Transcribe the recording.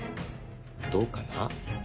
どうかな？